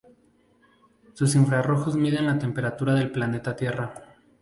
Sus infrarrojos miden la temperatura del planeta Tierra.